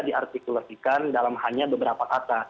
diartikulasikan dalam hanya beberapa kata